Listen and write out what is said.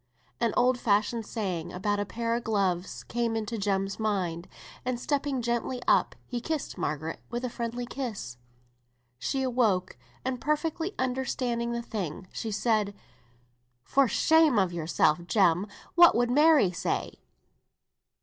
An old fashioned saying about a pair of gloves came into Jem's mind, and stepping gently up he kissed Margaret with a friendly kiss. She awoke, and perfectly understanding the thing, she said, "For shame of yourself, Jem! What would Mary say?"